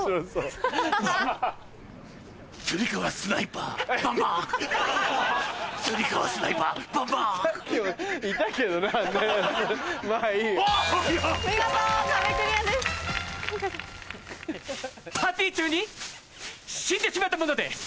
パーティー中に死んでしまった者です。